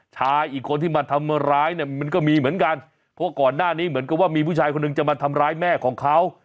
ชายอีกคนที่มาทำร้ายเนี่ยมันก็มีเหมือนกันเพราะก่อนหน้านี้เหมือนกับว่ามีผู้ชายคนหนึ่งจะมาทำร้ายแม่ของเขา